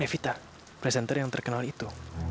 evita presenter yang terkenal itu